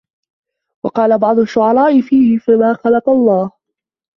وَقَالَ بَعْضُ الشُّعَرَاءُ فِيهِ فَمَا خَلَقَ اللَّهُ